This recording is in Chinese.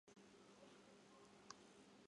谢尔加奇斯基区。